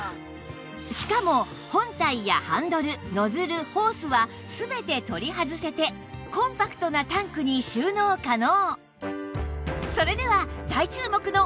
しかも本体やハンドルノズルホースは全て取り外せてコンパクトなタンクに収納可能